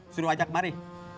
suruh ajak kemari